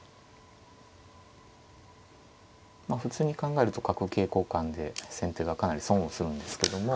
まあ普通に考えると角桂交換で先手がかなり損をするんですけども。